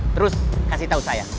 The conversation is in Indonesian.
terus kasih tahu saya